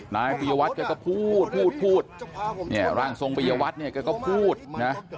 นายปริยวัตรก็พูดพูดพูดนี่ร่างทรงปริยวัตรก็พูดนะฮะ